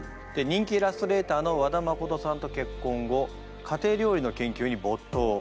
人気イラストレーターの和田誠さんと結婚後家庭料理の研究にぼっとう。